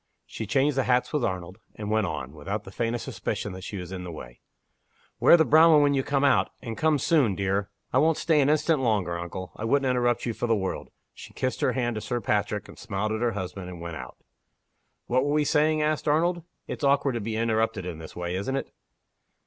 She changed the hats with Arnold, and went on, without the faintest suspicion that she was in the way. "Wear the brown one when you come out and come soon, dear. I won't stay an instant longer, uncle I wouldn't interrupt you for the world." She kissed her hand to Sir Patrick, and smiled at her husband, and went out. "What were we saying?" asked Arnold. "It's awkward to be interrupted in this way, isn't it?"